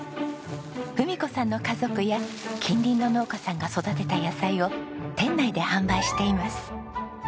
郁子さんの家族や近隣の農家さんが育てた野菜を店内で販売しています。